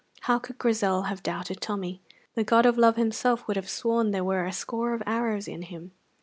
How could Grizel have doubted Tommy? The god of love himself would have sworn that there were a score of arrows in him.